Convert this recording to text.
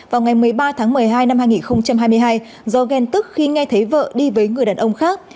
vào ngày một mươi ba tháng một mươi hai năm hai nghìn hai mươi hai do ghen tức khi nghe thấy vợ đi với người đàn ông khác